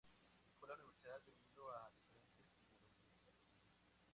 Dejó la universidad debido a diferencias ideológicas.